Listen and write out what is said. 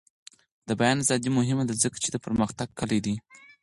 د بیان ازادي مهمه ده ځکه چې د پرمختګ کلي ده.